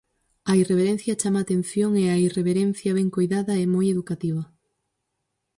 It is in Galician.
A irreverencia chama a atención e a irreverencia ben coidada é moi educativa.